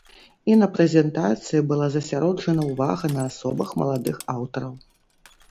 І на прэзентацыі была засяроджана ўвага на асобах маладых аўтараў.